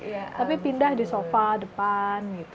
iya tapi pindah di sofa depan gitu